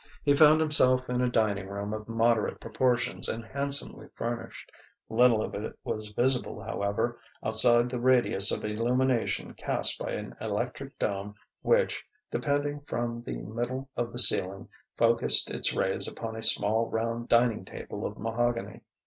He found himself in a dining room of moderate proportions and handsomely furnished. Little of it was visible, however, outside the radius of illumination cast by an electric dome which, depending from the middle of the ceiling, focussed its rays upon a small round dining table of mahogany.